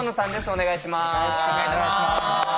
お願いします。